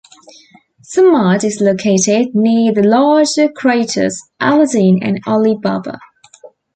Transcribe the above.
Samad is located near the larger craters Aladdin and Ali Baba.